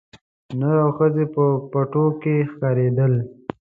نر او ښځي په پټو کښي ښکارېدل